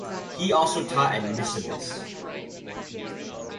He also taught at Nisibis.